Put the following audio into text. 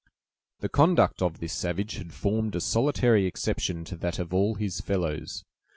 The conduct of this savage had formed a solitary exception to that of all his fellows.